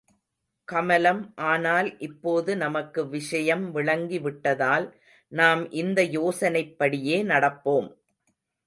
கமலம் ஆனால் இப்போது நமக்கு விஷயம் விளங்கி விட்டதால் நாம் இந்த யோசனைப்படியே நடப்போம்.